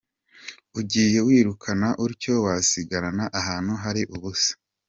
Ugiye wirukana utyo, wasigarana ahantu hari ubusa.